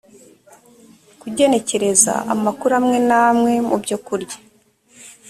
kugenekereza amakuru amwe n amwe mu byo kurya